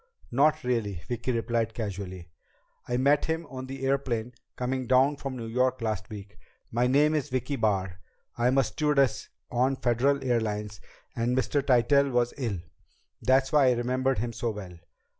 "Not really," Vicki replied casually. "I met him on the airplane coming down from New York last week. My name's Vicki Barr. I'm a stewardess on Federal Airlines and Mr. Tytell was ill. That's why I remembered him so well."